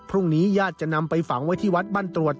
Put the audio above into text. ญาติจะนำไปฝังไว้ที่วัดบ้านตรวจ